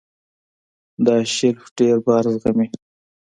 دا شیلف ډېر بار زغمي.